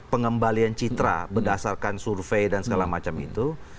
pengembalian citra berdasarkan survei dan segala macam itu